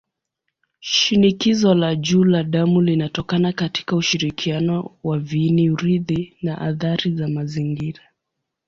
Shinikizo la juu la damu linatokana katika ushirikiano wa viini-urithi na athari za mazingira.